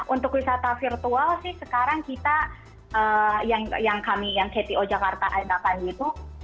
untuk wisata virtual sih sekarang kita yang kami yang kto jakarta ada kan itu